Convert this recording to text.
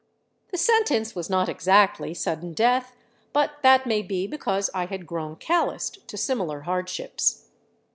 I The sentence was not exactly sudden death, but that may be because Bl had grown calloused to similar hardships.